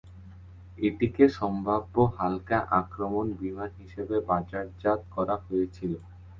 এটিকে সম্ভাব্য হালকা আক্রমণ বিমান হিসেবে বাজারজাত করা হয়েছিল।